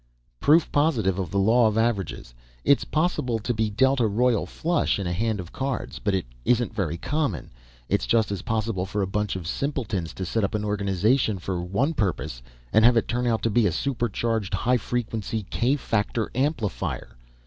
"Proof positive of the law of averages. It's possible to be dealt a royal flush in a hand of cards, but it isn't very common. It's just as possible for a bunch of simpletons to set up an organization for one purpose, and have it turn out to be a supercharged, high frequency k factor amplifier.